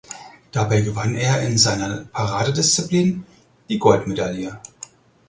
Dabei gewann er in seiner Paradedisziplin die Goldmedaille.